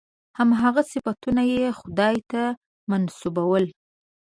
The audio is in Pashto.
هماغه صفتونه یې خدای ته منسوبول.